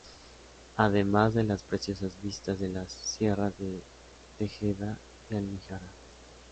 Además de las preciosas vistas de las sierras De Tejeda y Almijara.